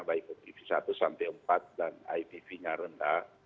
baik ovv satu empat dan ivv nya rendah